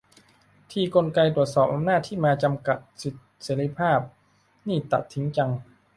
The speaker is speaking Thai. ทีกลไกตรวจสอบอำนาจที่มาจำกัดสิทธิเสรีภาพนี่ตัดทิ้งจัง